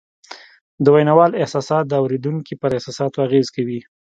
د ویناوال احساسات د اورېدونکي پر احساساتو اغېز کوي